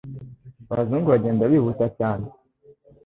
abazungu bagenda bihuta byane